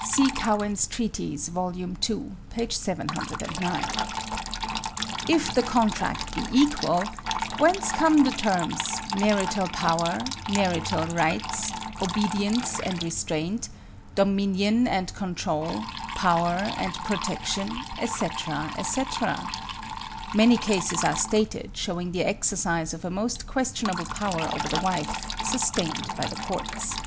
(See 'Cowen's Treatise,' vol. 2, p. 709.) "If the contract be equal, whence come the terms 'marital power,' 'marital rights,' 'obedience and restraint,' 'dominion and control,' 'power and protection,' etc., etc.? Many cases are stated, showing the exercise of a most questionable power over the wife, sustained by the courts.